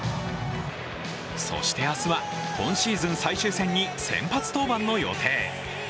そして明日は、今シーズン最終戦に先発登板の予定。